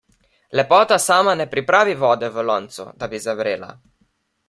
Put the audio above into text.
Lepota sama ne pripravi vode v loncu, da bi zavrela.